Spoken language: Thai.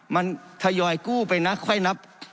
มันทยอยกู้ไปนะค่อยนับ